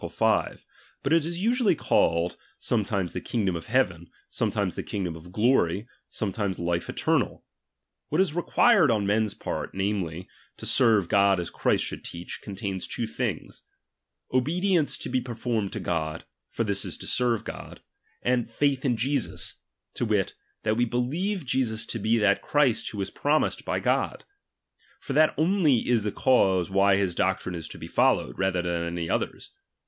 5 ; but it is usually called, sometimes the kingdoiu of' heaven, sometimes the kingdom of glory, sometimes the life eternal. What is required ou men's part, namely, to serve God as Christ should teach, contains two things ; obedience to he performed to God, (for this is to serve God) ; a,aA faith in Jesus, to wit, that we be lieve Jesus to be tliat Christ who was promised by God ; for that only is the cause why his doctrine is to be followed, rather than any other's.